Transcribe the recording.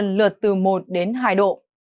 sang thêm lần lượt từ một hai độ